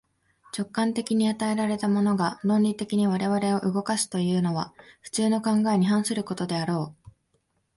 直観的に与えられたものが、論理的に我々を動かすというのは、普通の考えに反することであろう。